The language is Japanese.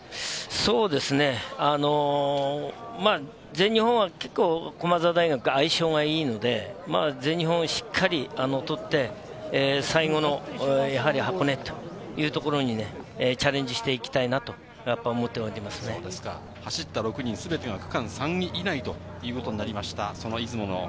そうですね、全日本は駒澤大学は相性がいいので、全日本をしっかり取って最後の箱根というところにチャレンジしていきたいなと思っており走った６人全てが、美しい。